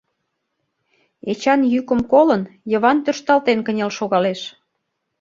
Эчан йӱкым колын, Йыван тӧршталтен кынел шогалеш.